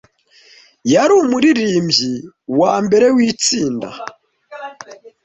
yari umuririmbyi wambere w'itsinda